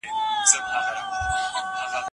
د شپې لږ ډوډۍ خورئ.